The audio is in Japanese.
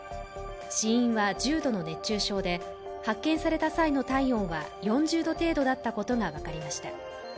死因は重度の熱中症で発見された際の体温は４０度程度だったことが分かりました。